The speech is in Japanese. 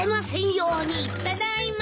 ・ただいま。